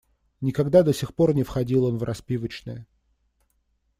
Никогда до сих пор не входил он в распивочные.